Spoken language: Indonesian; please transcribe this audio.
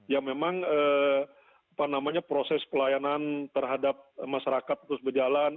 ya memang proses pelayanan terhadap masyarakat terus berjalan